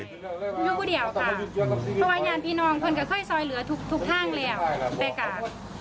อยู่คนเดียวค่ะเพราะวัยญาณพี่น้องคุณก็ค่อยซอยเหลือทุกทางแล้วไปกัก